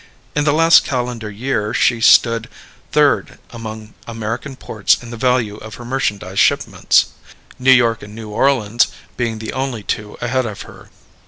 In the last calendar year she stood third among American ports in the value of her merchandise shipments, New York and New Orleans being the only two ahead of her.